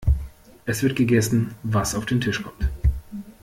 Es wird gegessen, was auf den Tisch kommt.